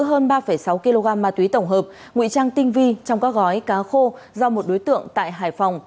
hơn ba sáu kg ma túy tổng hợp nguy trang tinh vi trong các gói cá khô do một đối tượng tại hải phòng